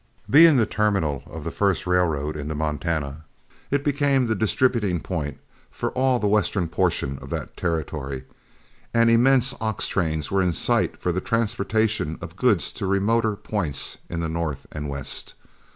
Being the terminal of the first railroad into Montana, it became the distributing point for all the western portion of that territory, and immense ox trains were in sight for the transportation of goods to remoter points in the north and west.